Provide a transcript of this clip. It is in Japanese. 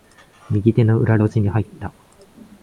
右手の裏路地に入った。